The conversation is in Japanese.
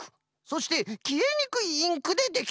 そしてきえにくいインクでできておる。